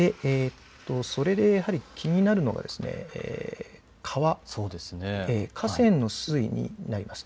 それで、やはり気になるのが川河川の水位になります。